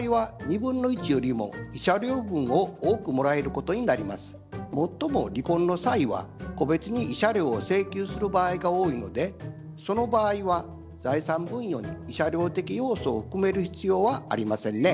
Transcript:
これをもっとも離婚の際は個別に慰謝料を請求する場合が多いのでその場合は財産分与に慰謝料的要素を含める必要はありませんね。